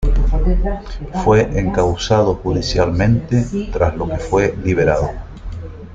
Fue encausado judicialmente, tras lo que fue liberado.